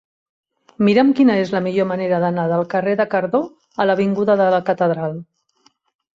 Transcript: Mira'm quina és la millor manera d'anar del carrer de Cardó a l'avinguda de la Catedral.